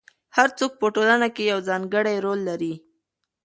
هر څوک په ټولنه کې یو ځانګړی رول لري.